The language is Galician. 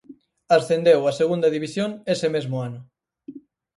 Ascendeu á Segunda División ese mesmo ano.